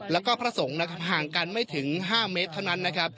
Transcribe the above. และก็พระสงฆ์ห่างกันไม่ถึง๕เมตรเท่านั้น